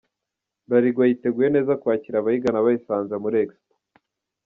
Bralirwa yiteguye neza kwakira abayigana bayisanze muri Expo,.